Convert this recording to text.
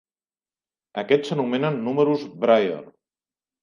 Aquests s'anomenen números Brier.